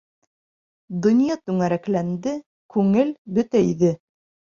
Донъя түңәрәкләнде, күңел бөтәйҙе.